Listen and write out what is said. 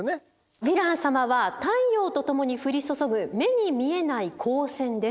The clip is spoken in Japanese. ヴィラン様は太陽と共に降り注ぐ目に見えない光線です。